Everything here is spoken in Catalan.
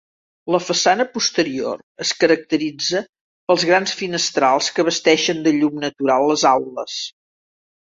La façana posterior es caracteritza pels grans finestrals que abasteixen de llum natural les aules.